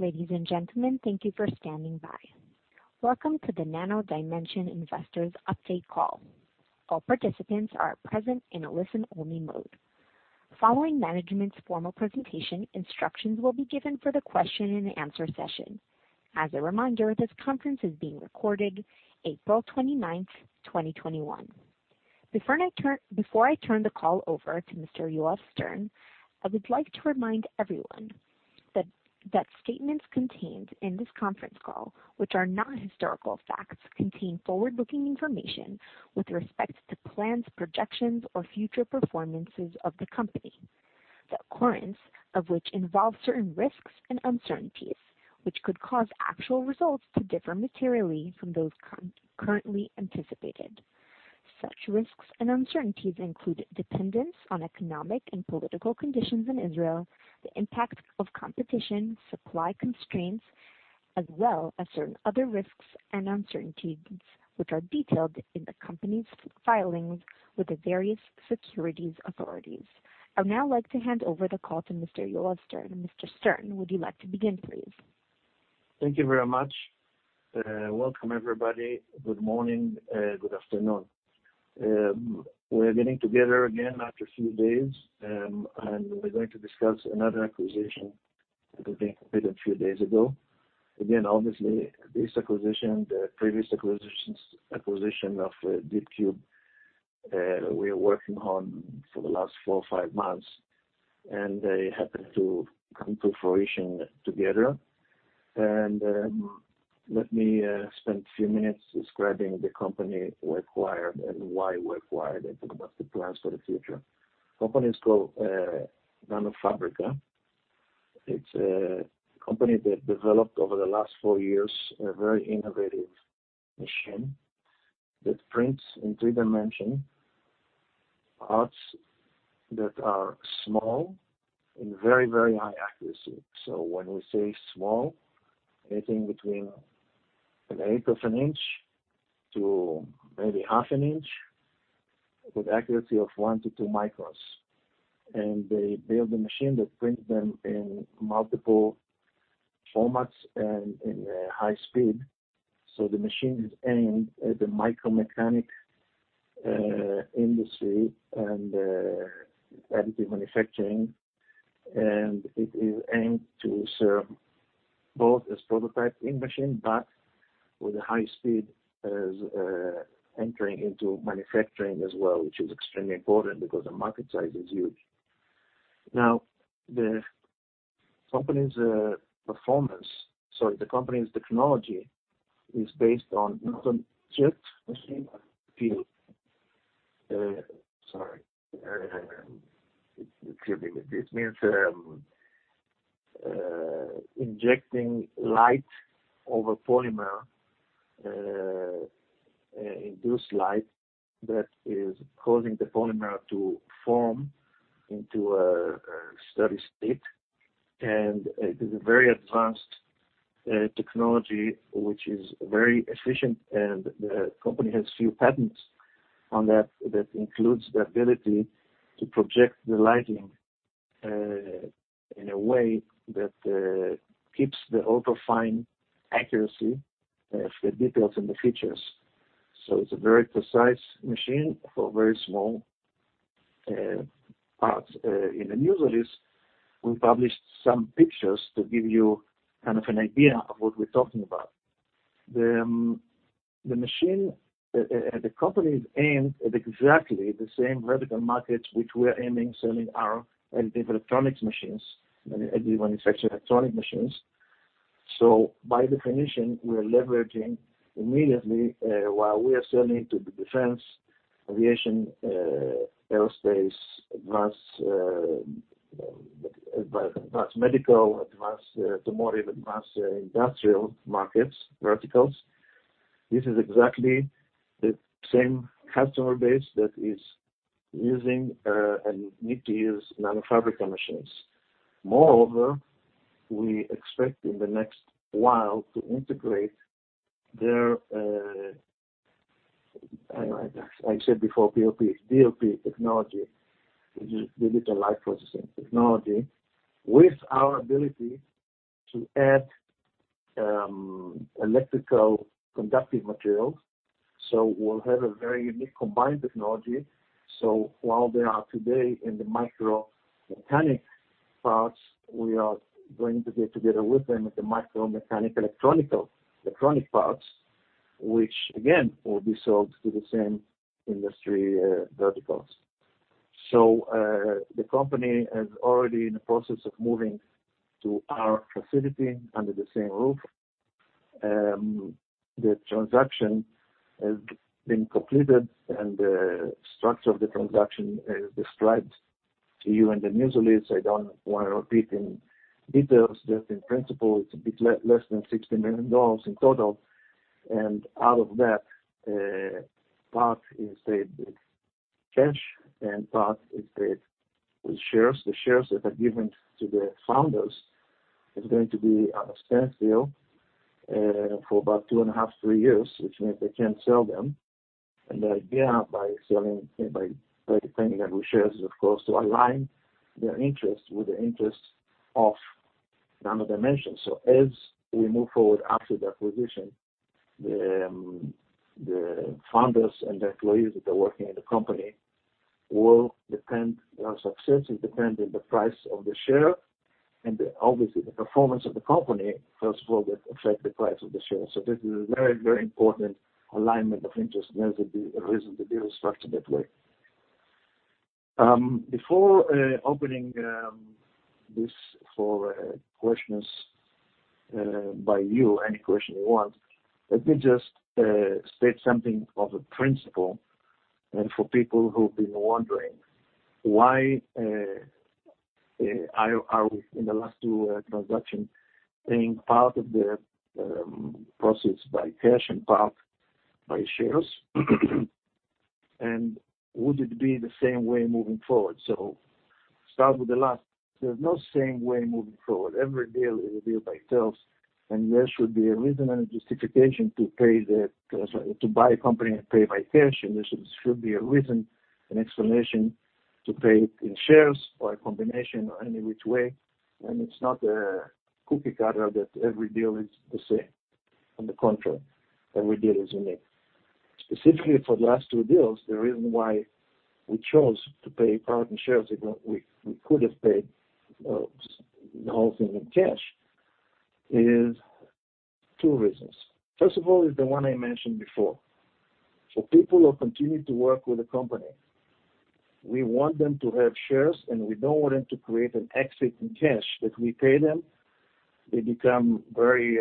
Ladies and gentlemen, thank you for standing by. Welcome to the Nano Dimension Investors update call. All participants are present in a listen-only mode. Following management's formal presentation, instructions will be given for the Q&A session. As a reminder, this conference is being recorded, April 29th, 2021. Before I turn the call over to Mr. Yoav Stern, I would like to remind everyone that statements contained in this conference call, which are not historical facts, contain forward-looking information with respect to plans, projections, or future performances of the company. The occurrence of which involves certain risks and uncertainties, which could cause actual results to differ materially from those currently anticipated. Such risks and uncertainties include dependence on economic and political conditions in Israel, the impact of competition, supply constraints, as well as certain other risks and uncertainties, which are detailed in the company's filings with the various securities authorities. I would now like to hand over the call to Mr. Yoav Stern. Mr. Stern, would you like to begin, please? Thank you very much. Welcome, everybody. Good morning. Good afternoon. We are getting together again after a few days, and we're going to discuss another acquisition that we've completed a few days ago. Again, obviously, this acquisition, the previous acquisition of DeepCube, we are working on for the last 4 or 5 months, and they happened to come to fruition together. Let me spend a few minutes describing the company we acquired and why we acquired it and what the plans for the future. The company is called NanoFabrica. It's a company that developed over the last 4 years a very innovative machine that prints three-dimensional parts that are small and very, very high accuracy. So when we say small, anything between an eighth of an inch to maybe half an inch with accuracy of 1 to 2 microns. They build a machine that prints them in multiple formats and in high speed. So the machine is aimed at the micromechanics industry and additive manufacturing, and it is aimed to serve both as prototyping machine, but with a high speed as entering into manufacturing as well, which is extremely important because the market size is huge. Now, the company's performance, sorry, the company's technology is based on not on-chip manufacturing field. Sorry. Excuse me. This means injecting light over polymer, induced light that is causing the polymer to form into a steady state. And it is a very advanced technology, which is very efficient, and the company has a few patents on that that includes the ability to project the lighting in a way that keeps the ultra-fine accuracy of the details and the features. So it's a very precise machine for very small parts. In the news release, we published some pictures to give you kind of an idea of what we're talking about. The company is aimed at exactly the same vertical markets, which we are aiming at selling our additive electronics machines, additive manufacturing electronic machines. So by definition, we are leveraging immediately while we are selling to the defense, aviation, aerospace, advanced medical, advanced tooling, advanced industrial markets, verticals. This is exactly the same customer base that is using and needs to use NanoFabrica machines. Moreover, we expect in the next while to integrate their, I said before POP, DLP technology, which is digital light processing technology, with our ability to add electrical conductive materials. So we'll have a very unique combined technology. So while they are today in the micromechanical parts, we are going to get together with them at the micromechanical electronic parts, which again will be sold to the same industry verticals. So the company is already in the process of moving to our facility under the same roof. The transaction has been completed, and the structure of the transaction is described to you in the news release. I don't want to repeat in details, but in principle, it's a bit less than $60 million in total. And out of that, part is paid with cash, and part is paid with shares. The shares that are given to the founders are going to be on a standstill for about 2.5 to 3 years, which means they can't sell them. The idea by selling, by paying them with shares, is, of course, to align their interests with the interests of Nano Dimension. So as we move forward after the acquisition, the founders and the employees that are working in the company will depend, their success will depend on the price of the share, and obviously, the performance of the company, first of all, will affect the price of the shares. So this is a very, very important alignment of interests and reason to be structured that way. Before opening this for questions by you, any question you want, let me just state something of a principle for people who've been wondering. Why are we, in the last two transactions, paying part of the process by cash and part by shares? And would it be the same way moving forward? So start with the last. There's no same way moving forward. Every deal is a deal by itself, and there should be a reason and a justification to buy a company and pay by cash, and there should be a reason and explanation to pay it in shares or a combination or any which way. It's not a cookie cutter that every deal is the same. On the contrary, every deal is unique. Specifically for the last two deals, the reason why we chose to pay part in shares if we could have paid the whole thing in cash is two reasons. First of all, is the one I mentioned before. For people who continue to work with the company, we want them to have shares, and we don't want them to create an exit in cash that we pay them. They become very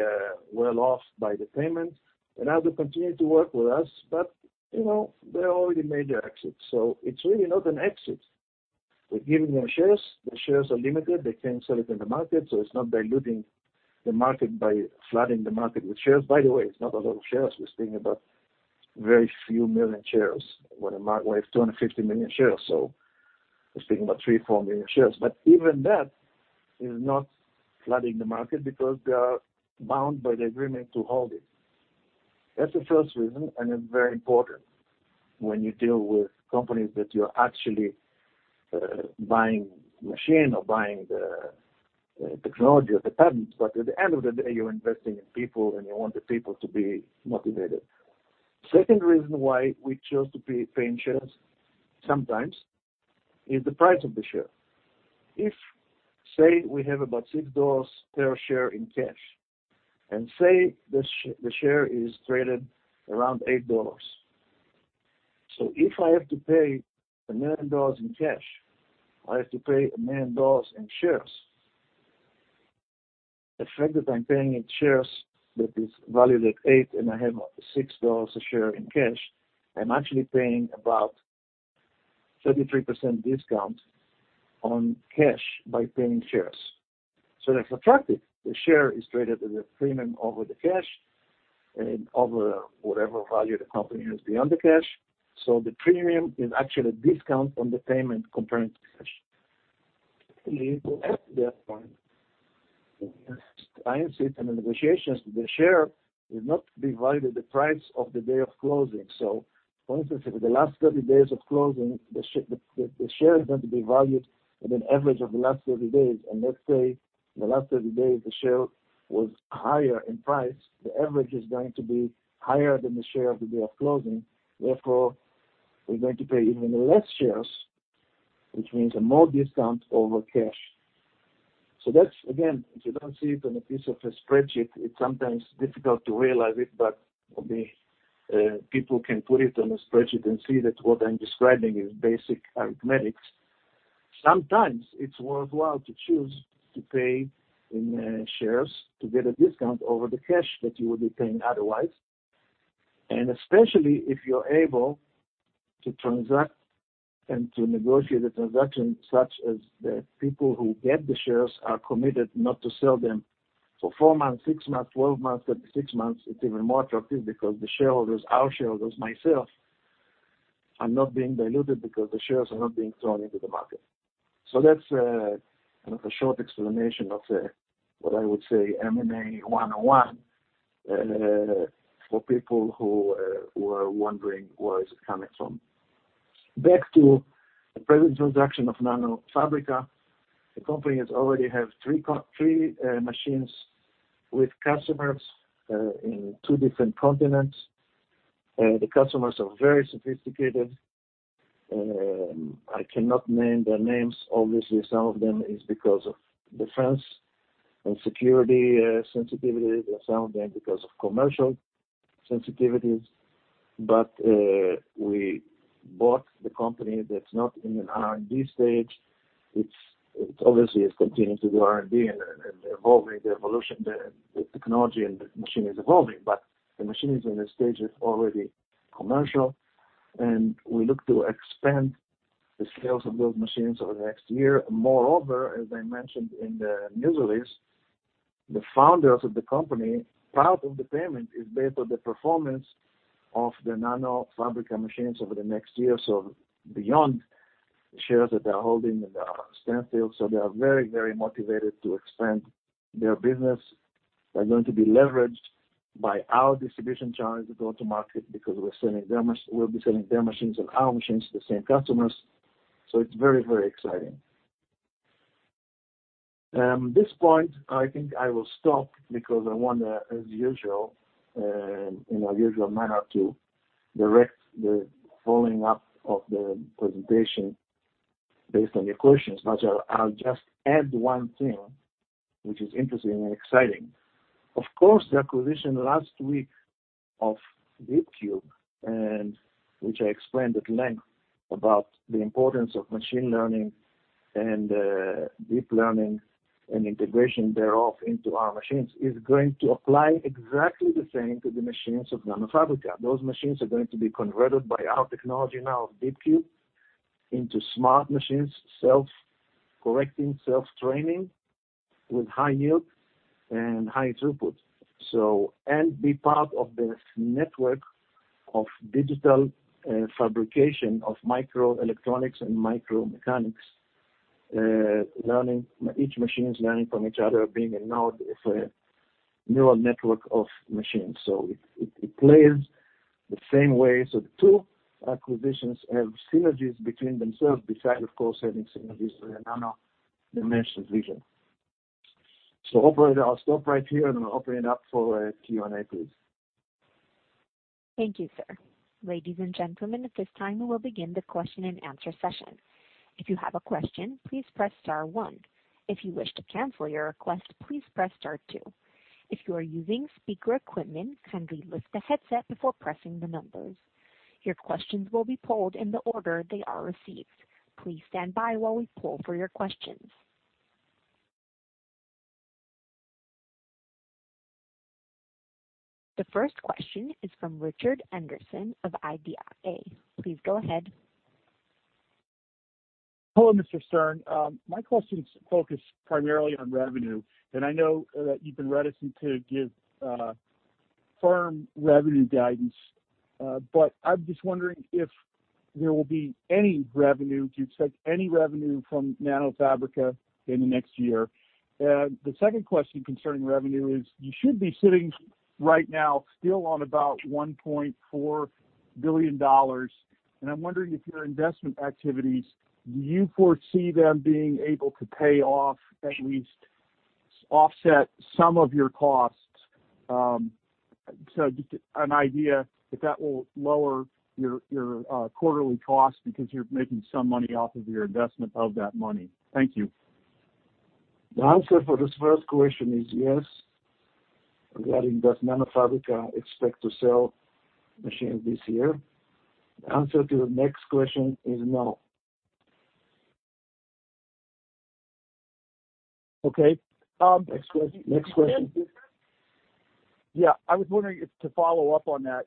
well-off by the payment. As they continue to work with us, but they already made their exit. So it's really not an exit. We're giving them shares. The shares are limited. They can't sell it in the market, so it's not diluting the market by flooding the market with shares. By the way, it's not a lot of shares. We're speaking about very few million shares when we have 250 million shares. So we're speaking about 3 million to 4 million shares. But even that is not flooding the market because they are bound by the agreement to hold it. That's the first reason, and it's very important when you deal with companies that you're actually buying the machine or buying the technology or the patents. But at the end of the day, you're investing in people, and you want the people to be motivated. Second reason why we chose to pay in shares sometimes is the price of the share. If, say, we have about $6 per share in cash, and say the share is traded around $8. So if I have to pay $1 million in cash, I have to pay $1 million in shares. The fact that I'm paying in shares that is valued at $8, and I have $6 a share in cash, I'm actually paying about a 33% discount on cash by paying shares. So that's attractive. The share is traded at a premium over the cash and over whatever value the company has beyond the cash. So the premium is actually a discount on the payment compared to cash. I insist in the negotiations that the share is not to be valued at the price of the day of closing. So for instance, if in the last 30 days of closing, the share is going to be valued at an average of the last 30 days. And let's say in the last 30 days, the share was higher in price. The average is going to be higher than the share of the day of closing. Therefore, we're going to pay even less shares, which means a more discount over cash. So that's, again, if you don't see it on a piece of a spreadsheet, it's sometimes difficult to realize it, but people can put it on a spreadsheet and see that what I'm describing is basic arithmetic. Sometimes it's worthwhile to choose to pay in shares to get a discount over the cash that you would be paying otherwise. Especially if you're able to transact and to negotiate a transaction such as the people who get the shares are committed not to sell them for 4 months, 6 months, 12 months, 36 months, it's even more attractive because the shareholders, our shareholders, myself, are not being diluted because the shares are not being thrown into the market. So that's kind of a short explanation of what I would say M&A 101 for people who are wondering where is it coming from. Back to the present transaction of NanoFabrica. The company has already had 3 machines with customers in 2 different continents. The customers are very sophisticated. I cannot name their names. Obviously, some of them is because of defense and security sensitivities, and some of them because of commercial sensitivities. But we bought the company that's not in an R&D stage. It obviously is continuing to do R&D and evolving the evolution. The technology and the machine is evolving, but the machine is in a stage of already commercial, and we look to expand the sales of those machines over the next year. Moreover, as I mentioned in the news release, the founders of the company. Part of the payment is based on the performance of the NanoFabrica machines over the next year. So beyond the shares that they're holding in the standstill, so they are very, very motivated to expand their business. They're going to be leveraged by our distribution channels, the go-to-market, because we'll be selling their machines and our machines to the same customers. So it's very, very exciting. At this point, I think I will stop because I want to, as usual, in our usual manner, to direct the following up of the presentation based on your questions. But I'll just add one thing, which is interesting and exciting. Of course, the acquisition last week of DeepCube, which I explained at length about the importance of machine learning and deep learning and integration thereof into our machines, is going to apply exactly the same to the machines of NanoFabrica. Those machines are going to be converted by our technology now of DeepCube into smart machines, self-correcting, self-training with high yield and high throughput, and be part of the network of digital fabrication of microelectronics and micromechanics, learning each machine's learning from each other, being a node of a neural network of machines. So it plays the same way. So the two acquisitions have synergies between themselves besides, of course, having synergies with the Nano Dimension Vision. So operator, I'll stop right here, and I'll open it up for Q&A, please. Thank you, sir. Ladies and gentlemen, at this time, we will begin the question and answer session. If you have a question, please press star one. If you wish to cancel your request, please press star two. If you are using speaker equipment, kindly lift the headset before pressing the numbers. Your questions will be polled in the order they are received. Please stand by while we poll for your questions. The first question is from Richard Anderson of IDIA. Please go ahead. Hello, Mr. Stern. My questions focus primarily on revenue, and I know that you've been reticent to give firm revenue guidance, but I'm just wondering if there will be any revenue. You expect any revenue from NanoFabrica in the next year? The second question concerning revenue is you should be sitting right now still on about $1.4 billion, and I'm wondering if your investment activities, do you foresee them being able to pay off, at least offset some of your costs? So just an idea if that will lower your quarterly costs because you're making some money off of your investment of that money. Thank you. The answer for this first question is yes regarding does NanoFabrica expect to sell machines this year. The answer to the next question is no. Okay. Next question. Yeah. I was wondering to follow up on that.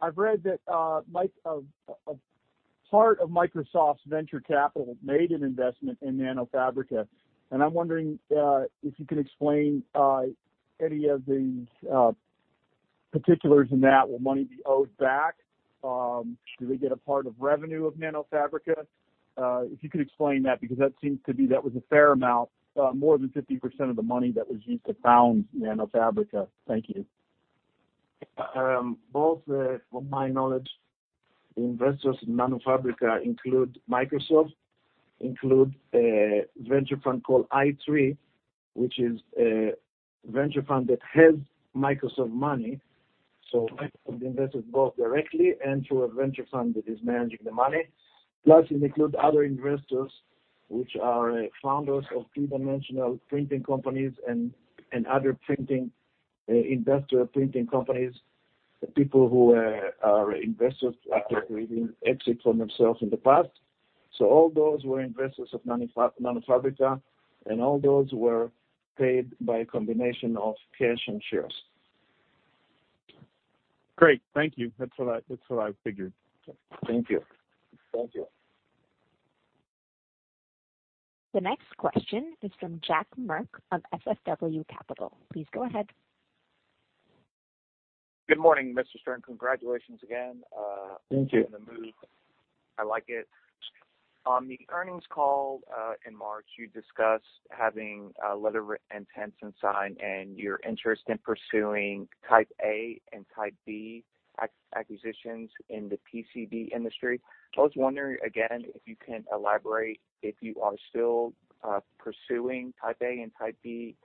I've read that part of Microsoft's venture capital made an investment in NanoFabrica, and I'm wondering if you can explain any of the particulars in that. Will money be owed back? Do they get a part of revenue of NanoFabrica? If you could explain that because that seems to be that was a fair amount, more than 50% of the money that was used to found NanoFabrica. Thank you. Both, from my knowledge, the investors in NanoFabrica include Microsoft, include a venture fund called i3, which is a venture fund that has Microsoft money. So the investors both directly and through a venture fund that is managing the money. Plus, it includes other investors which are founders of three-dimensional printing companies and other printing industrial printing companies, people who are investors after having exited from themselves in the past. So all those were investors of NanoFabrica, and all those were paid by a combination of cash and shares. Great. Thank you. That's what I figured. Thank you. Thank you. The next question is from Jeff Merk of SFW Capital. Please go ahead. Good morning, Mr. Stern. Congratulations again. Thank you. I'm in the mood. I like it. On the earnings call in March, you discussed having letters of intent signed and your interest in pursuing Type A and Type B acquisitions in the PCB industry. I was wondering again if you can elaborate if you are still pursuing Type A and Type B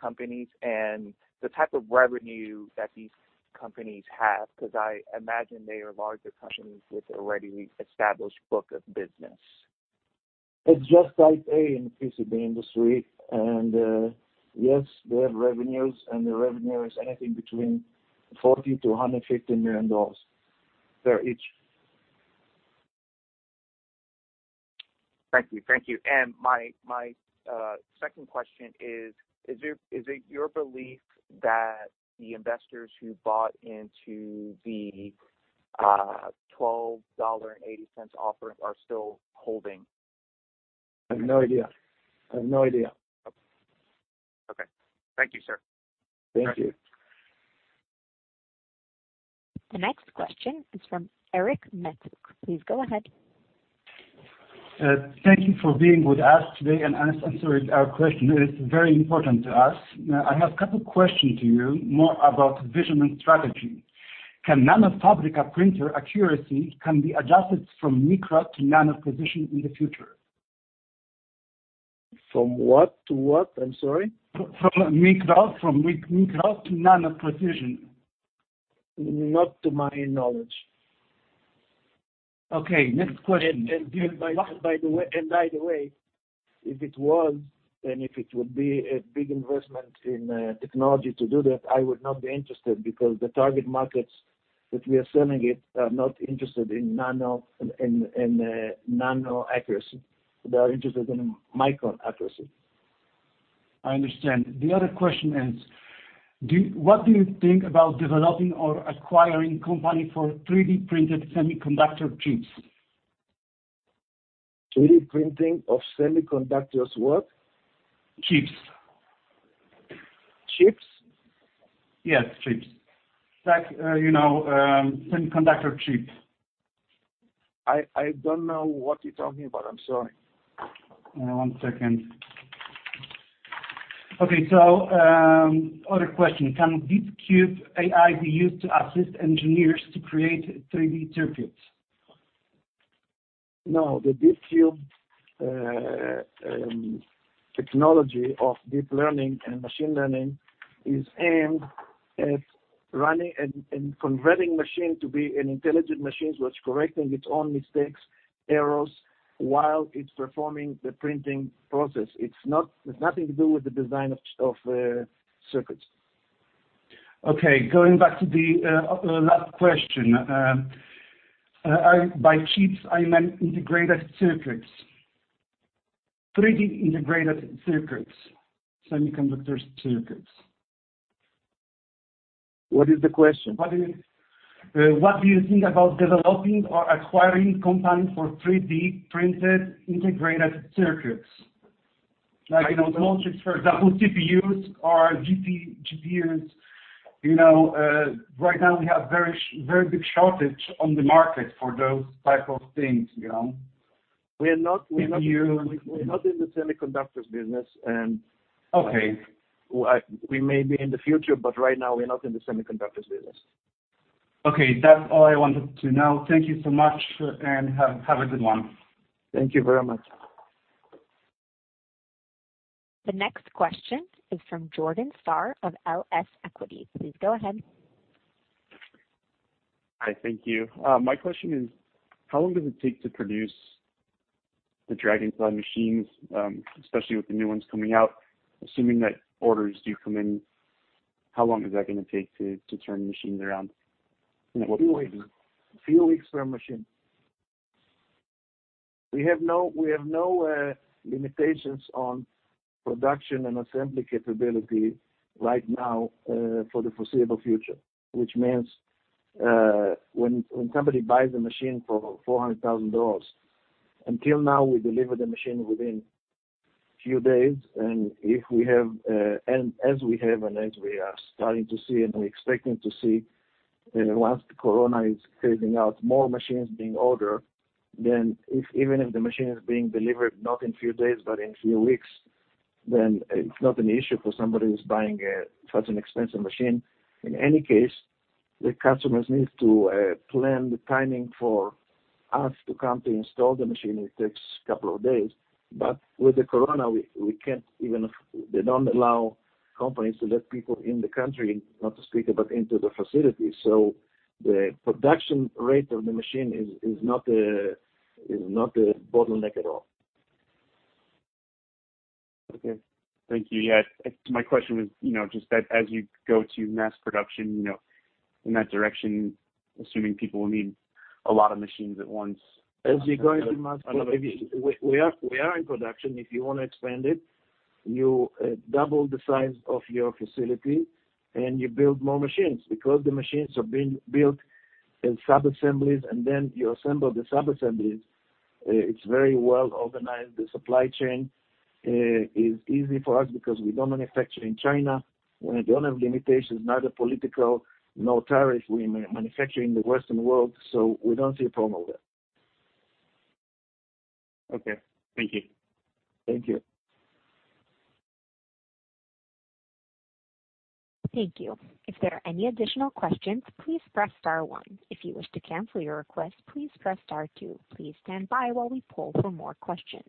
companies and the type of revenue that these companies have because I imagine they are larger companies with a readily established book of business. It's just Type A in the PCB industry. And yes, they have revenues, and the revenue is anything between $40 million to $150 million per each. Thank you. Thank you. And my second question is, is it your belief that the investors who bought into the $12.80 offering are still holding? I have no idea. I have no idea. Okay. Thank you, sir. Thank you. The next question is from Eric Metzuk. Please go ahead. Thank you for being with us today and answering our question. It is very important to us. I have a couple of questions to you more about vision and strategy. Can NanoFabrica printer accuracy be adjusted from micro to nano precision in the future? From what to what? I'm sorry. From micro to nano precision. Not to my knowledge. Okay. Next question. And by the way, if it was, and if it would be a big investment in technology to do that, I would not be interested because the target markets that we are selling it are not interested in nano accuracy. They are interested in micro accuracy. I understand. The other question is, what do you think about developing or acquiring a company for 3D printed semiconductor chips? 3D printing of semiconductors, what? Chips. Chips? Yes, chips. Like semiconductor chip. I don't know what you're talking about. I'm sorry. One second. Okay. So other question. Can DeepCube AI be used to assist engineers to create 3D circuits? No. The DeepCube technology of deep learning and machine learning is aimed at running and converting machines to be intelligent machines which are correcting its own mistakes, errors while it's performing the printing process. It's nothing to do with the design of circuits. Okay. Going back to the last question. By chips, I meant integrated circuits. 3D integrated circuits, semiconductor circuits. What is the question? What do you think about developing or acquiring a company for 3D printed integrated circuits? Like small chips, for example, CPUs or GPUs. Right now, we have a very big shortage on the market for those types of things. We're not in the semiconductor business. Okay. We may be in the future, but right now, we're not in the semiconductor business. Okay. That's all I wanted to know. Thank you so much and have a good one. Thank you very much. The next question is from Jordan Starr of LS Equity. Please go ahead. Hi. Thank you. My question is, how long does it take to produce the DragonFly machines, especially with the new ones coming out? Assuming that orders do come in, how long is that going to take to turn machines around? A few weeks. Few weeks per machine. We have no limitations on production and assembly capability right now for the foreseeable future, which means when somebody buys a machine for $400,000, until now, we deliver the machine within a few days. And as we have and as we are starting to see and we're expecting to see, once the Corona is phasing out, more machines being ordered, then even if the machine is being delivered not in a few days but in a few weeks, then it's not an issue for somebody who's buying such an expensive machine. In any case, the customers need to plan the timing for us to come to install the machine. It takes a couple of days. But with the corona, we can't even they don't allow companies to let people in the country, not to speak of, but into the facility. So the production rate of the machine is not a bottleneck at all. Okay. Thank you. Yeah. My question was just that as you go to mass production in that direction, assuming people will need a lot of machines at once. As you go into mass production, we are in production. If you want to expand it, you double the size of your facility and you build more machines. Because the machines are being built in sub-assemblies and then you assemble the sub-assemblies, it's very well organized. The supply chain is easy for us because we don't manufacture in China. We don't have limitations, neither political nor tariffs. We manufacture in the Western world, so we don't see a problem with that. Okay. Thank you. Thank you. Thank you. If there are any additional questions, please press star one. If you wish to cancel your request, please press star two. Please stand by while we poll for more questions.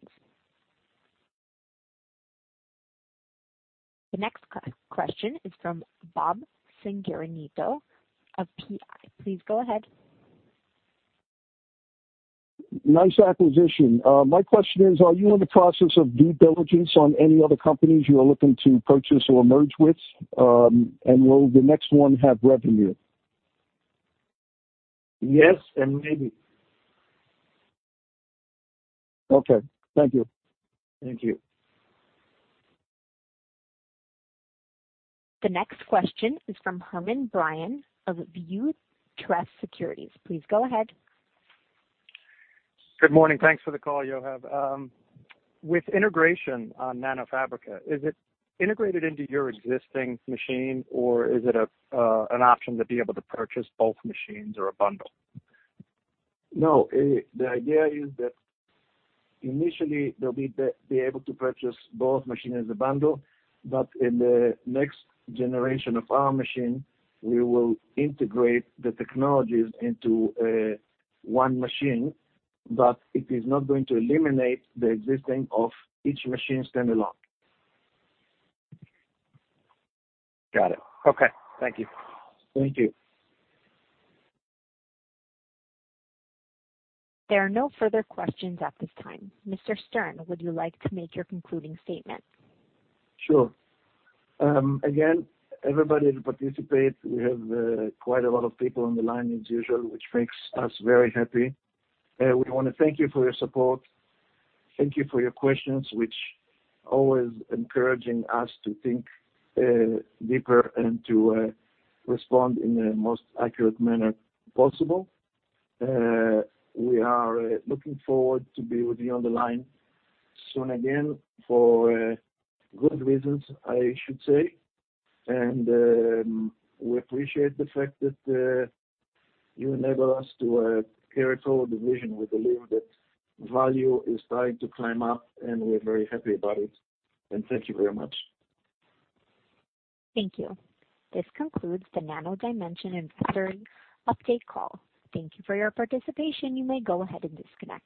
The next question is from Bob Sinceranito of PI. Please go ahead. Nice acquisition. My question is, are you in the process of due diligence on any other companies you are looking to purchase or merge with? And will the next one have revenue? Yes and maybe. Okay. Thank you. Thank you. The next question is from Herman Brian of ViewTrade Securities. Please go ahead. Good morning. Thanks for the call, Yoav. With integration on NanoFabrica, is it integrated into your existing machine or is it an option to be able to purchase both machines or a bundle? No. The idea is that initially, they'll be able to purchase both machines as a bundle, but in the next generation of our machine, we will integrate the technologies into one machine, but it is not going to eliminate the existing of each machine standalone. Got it. Okay. Thank you. Thank you. There are no further questions at this time. Mr. Stern, would you like to make your concluding statement? Sure. Again, everybody that participates, we have quite a lot of people on the line as usual, which makes us very happy. We want to thank you for your support. Thank you for your questions, which are always encouraging us to think deeper and to respond in the most accurate manner possible. We are looking forward to being with you on the line soon again for good reasons, I should say. We appreciate the fact that you enable us to carry forward the vision. We believe that value is starting to climb up, and we're very happy about it. Thank you very much. Thank you. This concludes the Nano Dimension and Sterling Update Call. Thank you for your participation. You may go ahead and disconnect.